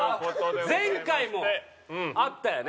前回もあったよね？